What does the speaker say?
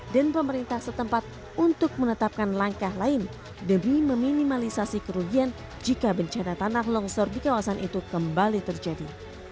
dan pemerintah setempat untuk menetapkan langkah lain demi meminimalisasi kerugian jika bencana tanah longsor di kawasan itu kembali terjadi